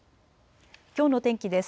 きょうの天気です。